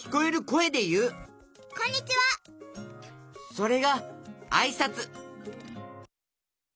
それがあいさつ。